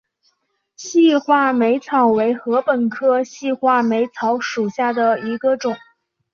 细画眉草为禾本科细画眉草属下的一个种。